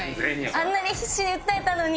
あんなに必死に訴えたのに！